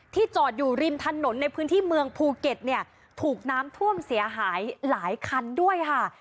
จอดอยู่ริมถนนในพื้นที่เมืองภูเก็ตเนี่ยถูกน้ำท่วมเสียหายหลายคันด้วยค่ะ